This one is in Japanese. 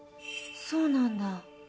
そうなんだ。